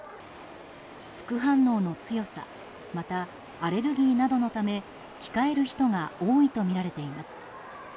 副反応の強さまた、アレルギーなどのため控える人が多いとみられています。